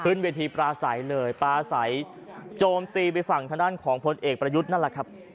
ขึ้นเวทีปลาใสเลยปลาใสโจมตีไปฝั่งทางด้านของพลเอกประยุทธ์นั่นแหละครับ